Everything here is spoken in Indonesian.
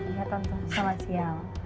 iya tante soal siang